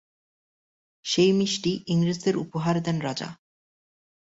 সেই মিষ্টি ইংরেজদের উপহার দেন রাজা।